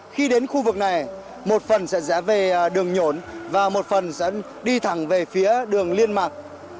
khi đến khu vực này một phần sẽ rẽ về đường nhổn và một phần sẽ đi thẳng về phía đường liên mạc